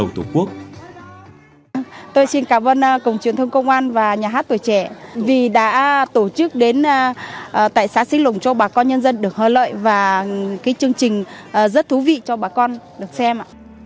tôi xin cảm ơn cùng truyền thông công an và nhà hát tuổi trẻ vì đã tổ chức đến tại xã xích lùng cho bà con nhân dân được hưởng lợi và chương trình rất thú vị cho bà con được xem